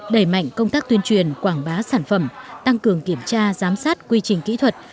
đẩy mạnh công tác tuyên truyền quảng bá sản phẩm tăng cường kiểm tra giám sát quy trình kỹ thuật